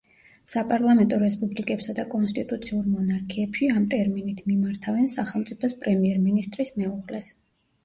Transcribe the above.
საპარლამენტო რესპუბლიკებსა და კონსტიტუციურ მონარქიებში, ამ ტერმინით მიმართავენ სახელმწიფოს პრემიერ-მინისტრის მეუღლეს.